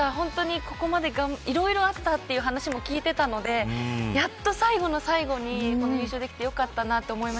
ここまでいろいろあったという話も聞いていたのでやっと最後の最後に優勝できてよかったと思います。